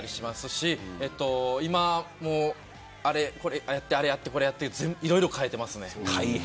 今もあれやって、これやっていろいろ変えてますね。